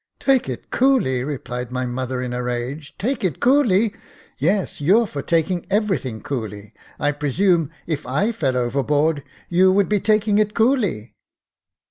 •* Take it coolly !" replied my mother in a rage —" take it coolly ! Yes, you're for taking everything coolly : I pre sume, if I fell overboard, you would be taking it coolly."